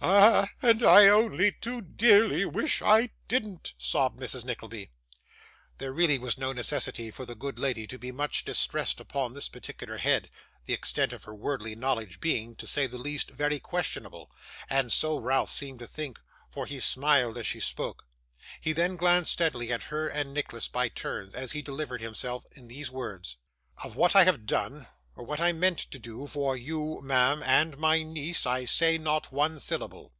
'Ah! and I only too dearly wish I didn't,' sobbed Mrs. Nickleby. There really was no necessity for the good lady to be much distressed upon this particular head; the extent of her worldly knowledge being, to say the least, very questionable; and so Ralph seemed to think, for he smiled as she spoke. He then glanced steadily at her and Nicholas by turns, as he delivered himself in these words: 'Of what I have done, or what I meant to do, for you, ma'am, and my niece, I say not one syllable.